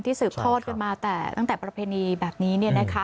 ที่สืบโทษกันมาตั้งแต่ประเพณีแบบนี้